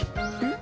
ん？